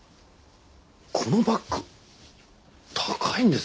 このバッグ高いんですよ。